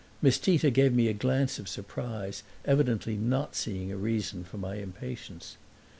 Miss Tita gave me a glance of surprise, evidently not seeing a reason for my impatience.